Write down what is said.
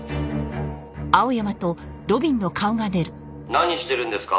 「何してるんですか？」